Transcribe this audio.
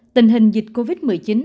tình hình dịch covid một mươi chín